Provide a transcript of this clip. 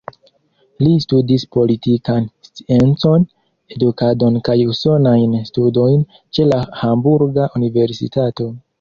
Li studis politikan sciencon, edukadon kaj usonajn studojn ĉe la Hamburga universitato.